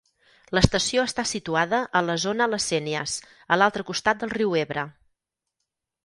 L'estació està situada a la zona les Sénies, a l'altre costat del riu Ebre.